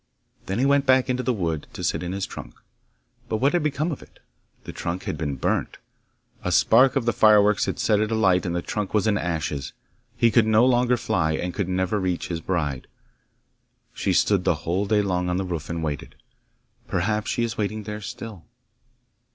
Then he went back into the wood to sit in his trunk; but what had become of it? The trunk had been burnt. A spark of the fireworks had set it alight, and the trunk was in ashes. He could no longer fly, and could never reach his bride. She stood the whole day long on the roof and waited; perhaps she is waiting there still.